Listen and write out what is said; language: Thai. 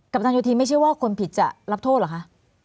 ปันโยธีไม่ใช่ว่าคนผิดจะรับโทษเหรอคะ